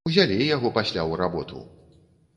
Узялі яго пасля ў работу!